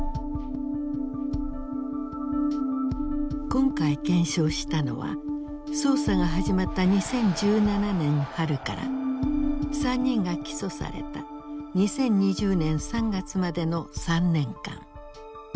今回検証したのは捜査が始まった２０１７年春から３人が起訴された２０２０年３月までの３年間。